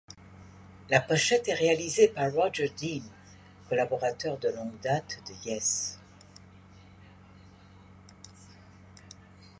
La pochette est réalisée par Roger Dean, collaborateur de longue date de Yes.